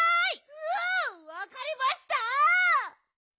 うわわかりました！